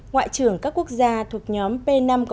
ngoại trưởng các quốc gia thuộc nhóm p năm g